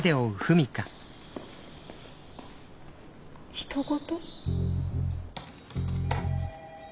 ひと事。